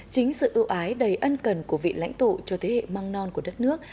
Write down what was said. chính sự ưu ái đầy ân cần của vị lãnh tụ cho thế hệ măng non của đất nước